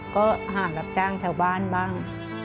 ก็หารับจ้างแถวบ้านบ้าง